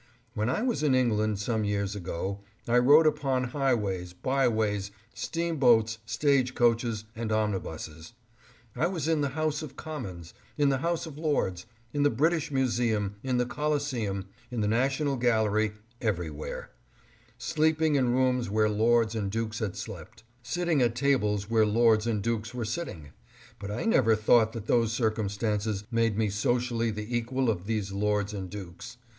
When I was in England, some years ago, I rode upon ADDRESS AT LINCOLN HALL. 669 highways, byways, steamboats, stage coaches and omni buses. I was in the House of Commons, in the House of Lords, in the British Museum, in the Coliseum, in the National Gallery, everywhere ; sleeping in rooms where lords and dukes had slept ; sitting at tables where lords and dukes were sitting ; but I never thought that those circumstances made me socially the equal of these lords and dukes.